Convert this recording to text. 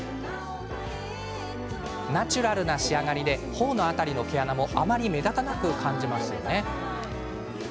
ナチュラルな仕上がりでほおの辺りの毛穴もあまり目立たなく感じますよね。